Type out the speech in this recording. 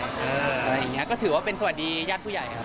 อะไรอย่างนี้ก็ถือว่าเป็นสวัสดีญาติผู้ใหญ่ครับ